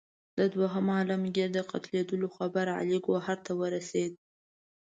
د دوهم عالمګیر د قتلېدلو خبر علي ګوهر ته ورسېد.